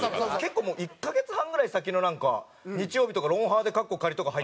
結構もう１カ月半ぐらい先のなんか日曜日とか『ロンハー』でとか入ってて。